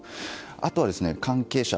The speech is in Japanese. あとは、関係者。